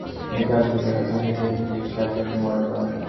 একটা সময় পারলারে গিয়ে মেকআপ নিলেও এখন নিজে নিজেই সাজেন ওয়ার্দা।